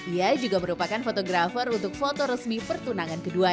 ia juga merupakan fotografer untuk foto resmi pertunangan keduanya